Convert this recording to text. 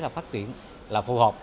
phát triển là phù hợp